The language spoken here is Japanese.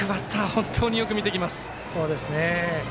本当によく見てきます。